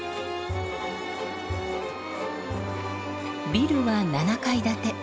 ビルは７階建て。